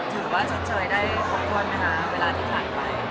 ถือว่าเจ๋ยได้ขอบค้อนไหมคะเวลาที่หันไป